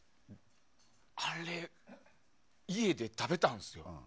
あれ家で食べたんですよ。